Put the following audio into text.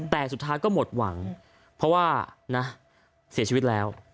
แต่สุดท้ายก็หมดหวังเพราะว่านะเสียชีวิตแล้ว